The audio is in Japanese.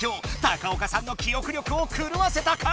高岡さんの記憶力をくるわせたか？